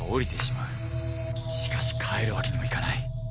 しかし換えるわけにもいかない